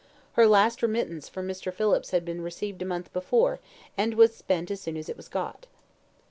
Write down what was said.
Her last remittance from Mr. Phillips had been received a month before, and was spent as soon as it was got.